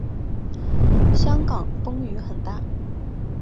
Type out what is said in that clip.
香港风雨很大